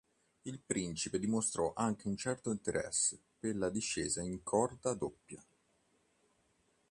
Il principe dimostrò anche un certo interesse per la discesa in corda doppia.